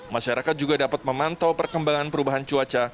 masyarakat juga dapat memantau perkembangan perubahan cuaca